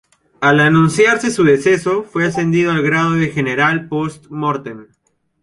Al anunciarse su deceso fue ascendido al grado de general post-mortem.